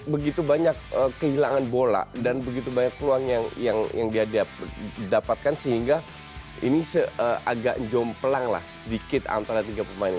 begitu banyak kehilangan bola dan begitu banyak peluang yang dia dapatkan sehingga ini agak jomplang lah sedikit antara tiga pemain